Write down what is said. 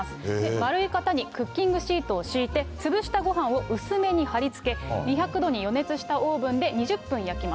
丸い型にクッキングシートを敷いて、潰したごはんを薄めにはりつけ、２００度に予熱したオーブンで２０分焼きま